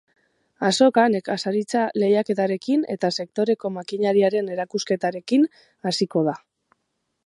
Azoka nekazaritza lehiaketarekin eta sektoreko makineriaren erakusketarekin hasiko da.